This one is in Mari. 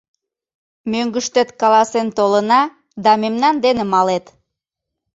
Мӧҥгыштет каласен толына, да мемнан дене малет.